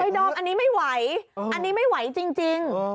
ดอมอันนี้ไม่ไหวอันนี้ไม่ไหวจริง